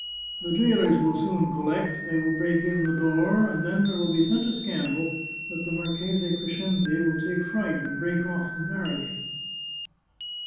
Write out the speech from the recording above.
The jailers will soon collect; they will break in the door, and then there will be such a scandal that the Marchese Crescenzi will take fright, and break off his marriage."